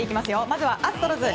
まずはアストロズ。